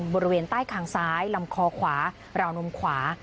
บริเวณใต้คางซ้ายลำคอขวาราวนมขวา